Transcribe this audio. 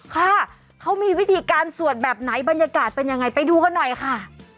ค่ะเขามีวิธีการสวดแบบไหนบรรยากาศเป็นยังไงไปดูกันหน่อยค่ะ